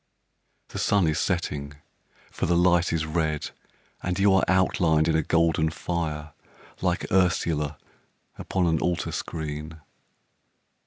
The sun is setting, for the light is red, And you are outlined in a golden fire, Like Ursula upon an altar screen.